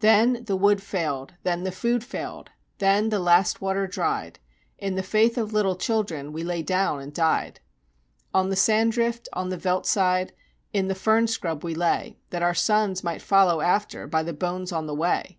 Then the wood failed then the food failed then the last water dried In the faith of little children we lay down and died. "On the sand drift on the veldt side in the fern scrub we lay, That our sons might follow after by the bones on the way.